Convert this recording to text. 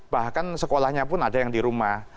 bahkan sekolahnya pun ada yang di rumah